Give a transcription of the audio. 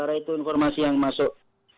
karena itu informasi yang masuk